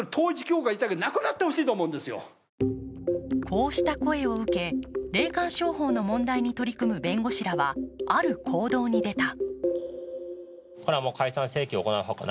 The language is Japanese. こうした声を受け、霊感商法の問題に取り組む弁護士らは、ある行動に出た。